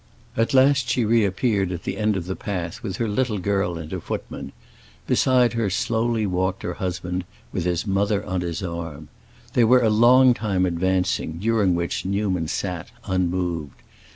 At last she reappeared at the end of the path, with her little girl and her footman; beside her slowly walked her husband, with his mother on his arm. They were a long time advancing, during which Newman sat unmoved.